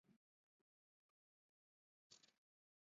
长臀云南鳅为鳅科云南鳅属的鱼类。